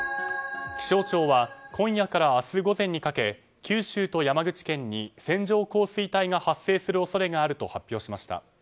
気象庁は今夜から明日午前にかけ九州と山口県に線状降水帯が発生する恐れがあると発表しました。